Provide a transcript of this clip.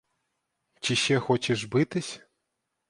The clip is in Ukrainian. Чи ще хочеш битись?